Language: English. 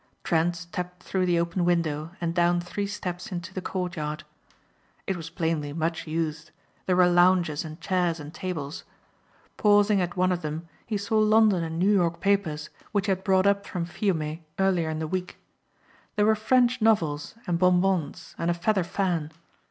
Trent stepped through the open window and down three steps into the courtyard. It was plainly much used. There were lounges and chairs and tables. Pausing at one of them he saw London and New York papers which he had brought up from Fiume earlier in the week. There were French novels and bon bons and a feather fan.